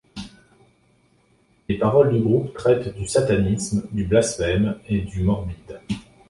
Les paroles du groupe traitent du satanisme, du blasphème, et du morbide.